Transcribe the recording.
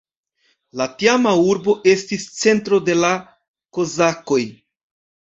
La tiama urbo estis centro de la kozakoj.